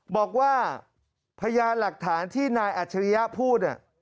บอกว่าพยานหลักฐานที่นายอัศยยะพูด